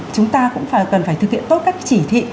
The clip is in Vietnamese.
chúng ta cũng cần phải thực hiện tốt các chỉ thị